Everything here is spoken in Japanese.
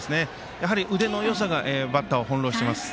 やはり腕のよさがバッターを翻弄しています。